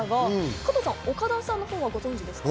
加藤さん、岡田さんはご存じですか？